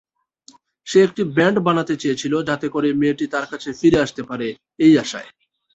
সে একটি ব্যান্ড বানাতে চেয়েছিল যাতে করে মেয়েটি তার কাছে ফিরে আসতে পারে এই আশায়।